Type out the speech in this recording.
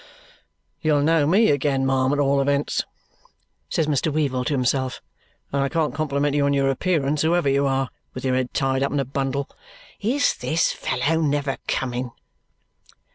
"You'll know me again, ma'am, at all events," says Mr. Weevle to himself; "and I can't compliment you on your appearance, whoever you are, with your head tied up in a bundle. Is this fellow NEVER coming!"